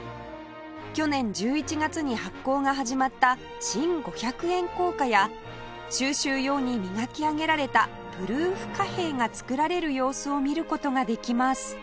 去年１１月に発行が始まった新５００円硬貨や収集用に磨き上げられたプルーフ貨幣が作られる様子を見る事ができます